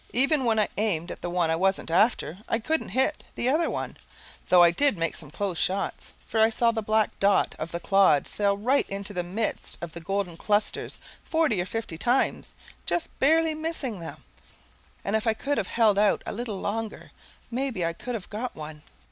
Even when I aimed at the one I wasn't after I couldn't hit the other one, though I did make some close shots, for I saw the black blot of the clod sail right into the midst of the golden clusters forty or fifty times, just barely missing them, and if I could have held out a little longer maybe I could have got one.